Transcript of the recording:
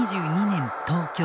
２０２２年東京。